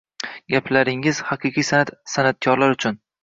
— Gaplaringiz, haqiqiy san’at — san’atkorlar uchun